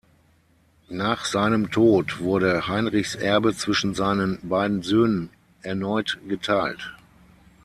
Nach seinem Tod wurde Heinrichs Erbe zwischen seinen beiden Söhnen erneut geteilt.